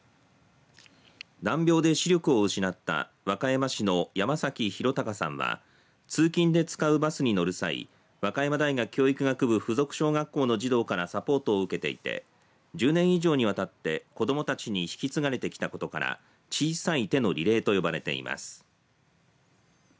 難病で視力を失った和歌山市の山崎浩敬さんは通勤で使うバスに乗る際、和歌山大学教育学部付属小学校の児童からサポートを受けていて１０年以上にわたって子どもたちに引き継がれてきたことから小さい手のリレーと呼ばれています。